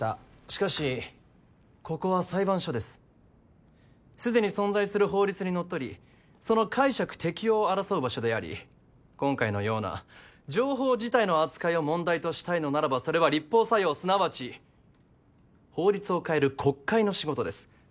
しかしここは裁判所ですすでに存在する法律にのっとりその解釈適用を争う場所であり今回のような情報自体の扱いを問題としたいのならばそれは立法作用すなわち法律を変える国会の仕事です